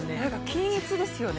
均一ですよね